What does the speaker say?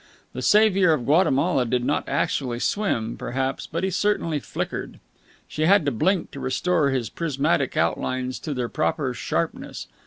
The Saviour of Guatemala did not actually swim, perhaps, but he certainly flickered. She had to blink to restore his prismatic outlines to their proper sharpness.